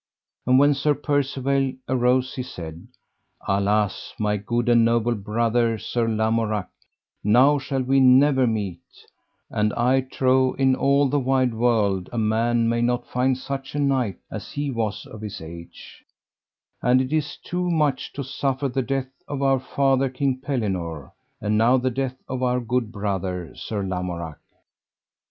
And when Sir Percivale arose he said: Alas, my good and noble brother Sir Lamorak, now shall we never meet, and I trow in all the wide world a man may not find such a knight as he was of his age; and it is too much to suffer the death of our father King Pellinore, and now the death of our good brother Sir Lamorak.